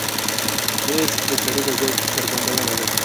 مېز د سړي د ذوق څرګندونه ده.